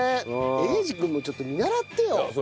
英二君もちょっと見習ってよ。